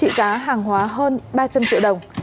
trị giá hàng hóa hơn ba trăm linh triệu đồng